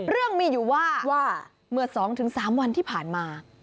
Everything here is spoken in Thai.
เรื่องมีอยู่ว่าเมื่อ๒๓วันที่ผ่านมา